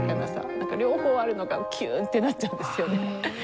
両方あるのがキューンってなっちゃうんですよね。